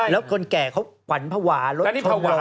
แล้วคนแก่เขากวันภาวะรถโทนลง